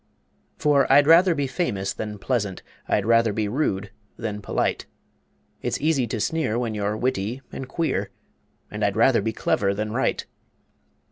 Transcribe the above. For I'd rather be famous than pleasant, I'd rather be rude than polite; It's easy to sneer When you're witty and queer, And I'd rather be Clever than Right.